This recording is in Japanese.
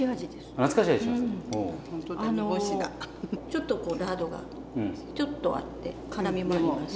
ちょっとこうラードがちょっとあってからみもあります。